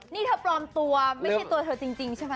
นี่เธอปลอมตัวไม่ใช่ตัวเธอจริงใช่ไหม